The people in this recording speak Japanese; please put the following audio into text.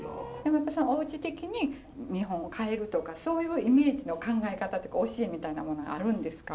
おうち的に日本を変えるとかそういうイメージの考え方とか教えみたいなものあるんですか？